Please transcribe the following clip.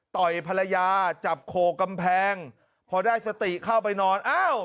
ต่อยภรรยาจับโคกำแพงพอได้สติเข้าไปนอนอ้าว